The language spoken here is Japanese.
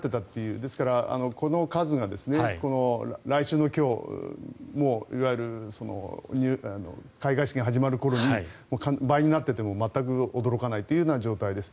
ですから、この数が来週の今日いわゆる開会式が始まる頃に倍になっていても全く驚かないという状態です。